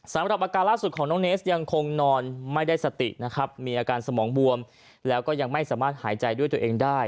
สำหรับอาการล่าสุดของน้องเนสยังคงนอนไม่ได้สตินะครับมีอาการสมองบวมแล้วก็ยังไม่สามารถหายใจด้วยตัวเองได้